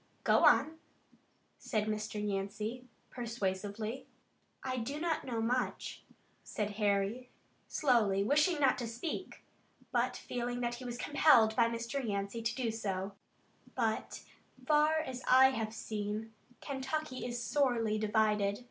"Go on," said Mr. Yancey, persuasively. "I do not know much," said Harry slowly, wishing not to speak, but feeling that he was compelled by Mr. Yancey to do so, "but as far as I have seen, Kentucky is sorely divided.